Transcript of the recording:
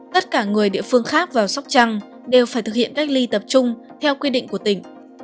tất cả người địa phương khác vào sóc trăng đều phải thực hiện cách ly tập trung theo quy định của tỉnh